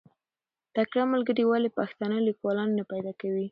تکړه ملګري ولې پښتانه لیکوالان نه پیدا کوي؟